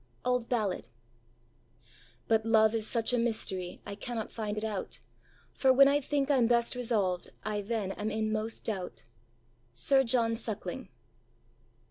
ã OLD BALLAD. ãBut Love is such a Mystery I cannot find it out: For when I think Iãm best resolvãd, I then am in most doubt.ã SIR JOHN SUCKLING.